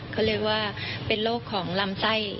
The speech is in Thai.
เขาเรียกว่าเป็นโรคของลำไส้